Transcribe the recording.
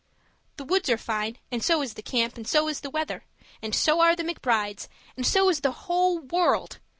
The woods are fine, and so is the camp, and so is the weather, and so are the McBrides, and so is the whole world.